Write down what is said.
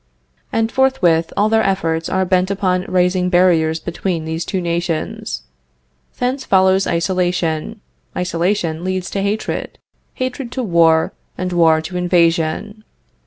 And forthwith all their efforts are bent upon raising barriers between these two nations. Thence follows isolation; isolation leads to hatred; hatred to war; and war to invasion.